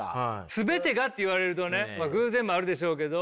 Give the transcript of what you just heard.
全てがって言われるとね偶然もあるでしょうけど。